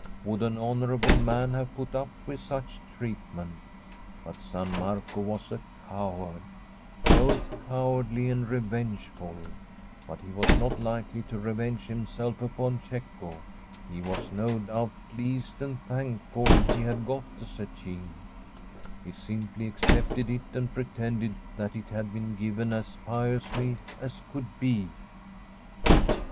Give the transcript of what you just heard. Would an honourable man have put up with such treatment ? But San Marco was a coward — both cowardly and revengeful. But he was not likely 7be Fisherman's RING to revenge himself upon Cecco. He was, no doubt, pleased and thankful he had got the zecchine. He simply accepted it and pretended that it had been given as piously as could be.